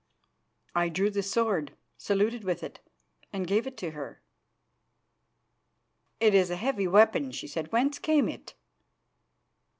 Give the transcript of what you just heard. I drew the sword, saluted with it, and gave it to her. "It is a heavy weapon," she said. "Whence came it?"